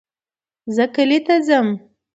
زه کلي ته ځم